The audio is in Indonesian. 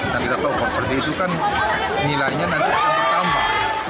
dan kita tahu perbeda itu kan nilainya nanti akan bertambah